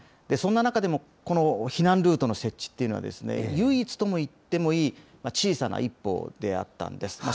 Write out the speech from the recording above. そんな中でもこの避難ルートの設置っていうのは、唯一ともいっていい小さな一歩であったんです。